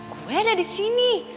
gue ada disini